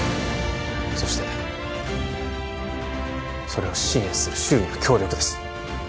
そしてそれを支援する周囲の協力です